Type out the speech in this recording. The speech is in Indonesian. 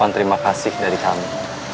terima kasih dari kami